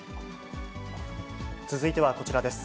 続いてはこちらです。